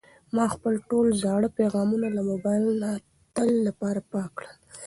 ما خپل ټول زاړه پیغامونه له موبایل نه د تل لپاره پاک کړل.